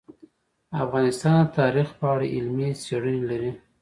افغانستان د تاریخ په اړه علمي څېړنې لري.